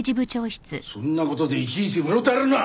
そんな事でいちいちうろたえるな！